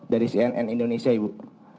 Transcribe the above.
dari cnn indonesia ibu